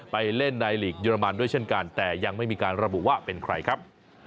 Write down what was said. ไปเล่นในหลีกเรมันด้วยเช่นกันแต่ยังไม่มีการระบุว่าเป็นใครครับ